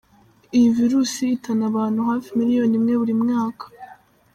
Iyi virusi ihitana abantu hafi miliyoni imwe buri mwaka.